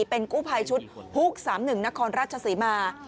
เป็นกู้ภัยชุดฮุก๓๑นครราชศรีมา